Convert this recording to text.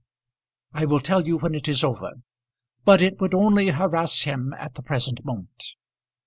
"I will tell you when it is over. But it would only harass him at the present moment."